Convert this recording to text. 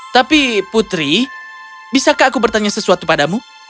tapi putri bisakah aku bertanya sesuatu padamu